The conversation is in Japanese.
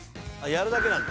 「やるだけなんだ」